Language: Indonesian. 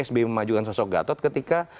sbi memajukan sosok gatot ketika